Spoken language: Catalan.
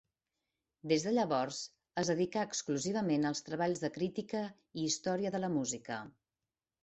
Des de llavors es dedicà exclusivament als treballs de crítica i història de la música.